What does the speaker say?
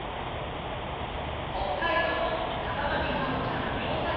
ほっかいどうのさかがみかほちゃん４さいから。